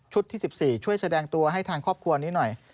ที่๑๔ช่วยแสดงตัวให้ทางครอบครัวนี้หน่อย